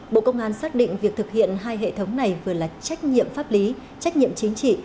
bộ công an xác định việc thực hiện hai hệ thống này vừa là trách nhiệm pháp lý trách nhiệm chính trị